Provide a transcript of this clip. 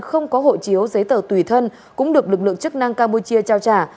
công dân có hộ chiếu giấy tờ tùy thân cũng được lực lượng chức năng campuchia trao trả